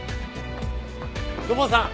土門さん！